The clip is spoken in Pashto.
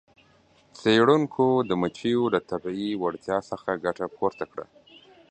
څیړونکو د مچیو له طبیعي وړتیا څخه ګټه پورته کړه.